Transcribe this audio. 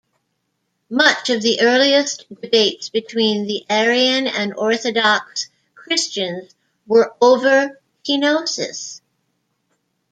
Much of the earliest debates between the Arian and Orthodox Christians were over kenosis.